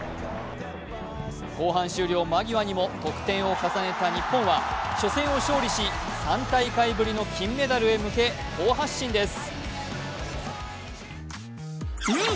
後半終了間際にも得点を重ねた日本は初戦を勝利し３大会ぶりの金メダルへ向け好発進です。